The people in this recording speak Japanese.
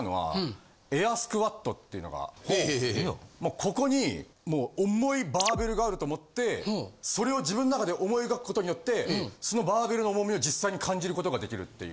ここに重いバーベルがあると思ってそれを自分の中で思い描くことによってそのバーベルの重みを実際に感じることができるっていう。